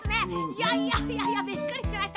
いやいやいやいやびっくりしました。